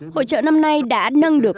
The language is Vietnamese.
hỗ trợ năm nay đã nâng được